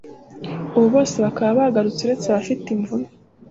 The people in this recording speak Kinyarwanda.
ubu bose bakaba bagarutse uretse abafite imvune